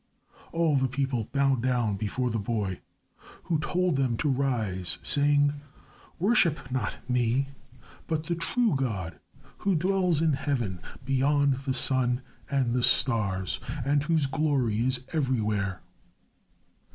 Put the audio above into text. All the people bowed down before the boy who told them to rise, saying, "Worship not me, but the true God who dwells in Heaven beyond the sun and the stars and whose glory is everywhere."